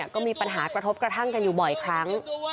ก็มีปัญหากระทบกระทั่งกันอยู่บ่อยครั้ง